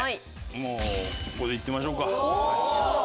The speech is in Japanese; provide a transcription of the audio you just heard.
もうここでいってみましょうか。